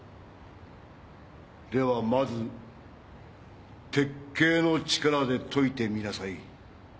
ではまず鉄警の力で解いてみなさい。